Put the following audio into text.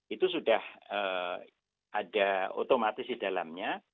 itu sudah ada otomatis di dalamnya